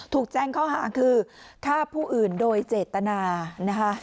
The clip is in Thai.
ถูกแจ้งข้อหาคือฆ่าผู้อื่นโดยเจตนานะคะ